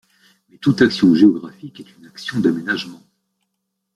Mais toute action géographique est une action d'aménagement.